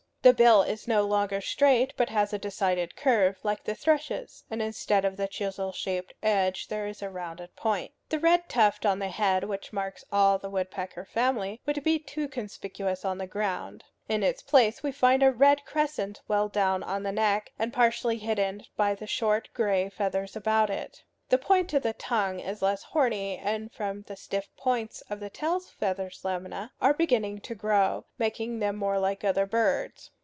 The bill is no longer straight, but has a decided curve, like the thrushes; and instead of the chisel shaped edge there is a rounded point. The red tuft on the head, which marks all the woodpecker family, would be too conspicuous on the ground. In its place we find a red crescent well down on the neck, and partially hidden by the short gray feathers about it. The point of the tongue is less horny, and from the stiff points of the tail feathers lamina are beginning to grow, making them more like other birds'.